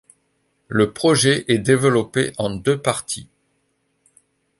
Le projet est développé en deux parties.